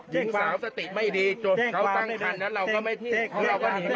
เจ้งความเลย